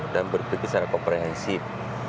dan berpikir secara komprehensif